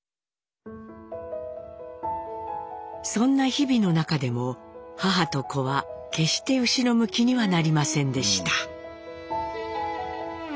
そんな日々の中でも母と子は決して後ろ向きにはなりませんでした。